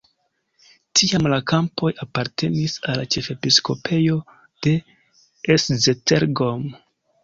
Tiam la kampoj apartenis al ĉefepiskopejo de Esztergom.